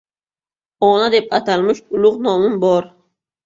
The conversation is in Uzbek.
Ona deb atalmish ulug‘ nomim bor